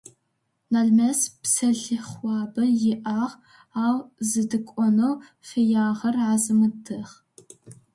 Налмэс псэлъыхъуабэ иӏагъ, ау зыдэкӏонэу фэягъэр Азэмэтыгъ.